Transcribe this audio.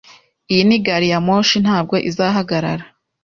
Iyi ni gari ya moshi. Ntabwo izahagarara.